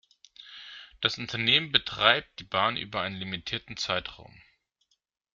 Das Unternehmen betreibt die Bahn über einen limitierten Zeitraum.